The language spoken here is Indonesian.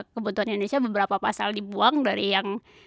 kebutuhan indonesia beberapa pasal dibuang dari yang